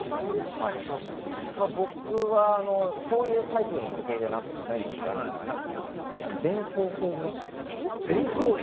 僕は、そういうタイプの時計じゃないんですけどちょっと電光掲示板。